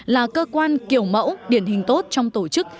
là cơ quan kiểu mẫu điển hình tốt trong tổ chức